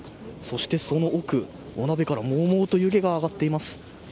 そしてその奥、お鍋からもうもうと湯気が上がっています。